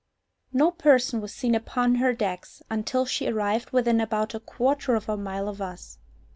No person was seen upon her decks until she arrived within about a quarter of a mile of us.